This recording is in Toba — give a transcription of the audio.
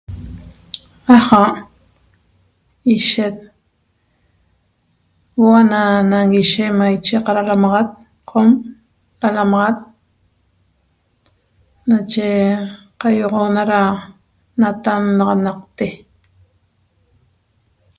Aja' ishet, huo'o na nanguishe maiche qaralamaxat qom lalamaxat nache qiogoxona ra natannaxanaqte